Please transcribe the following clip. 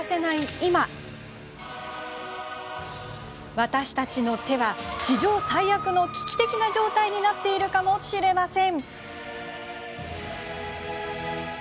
今私たちの手は史上最悪の危機的な状態になっているかもしれません。